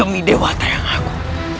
demi dewa tayang aku